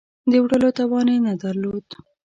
د وړلو توان یې نه درلود.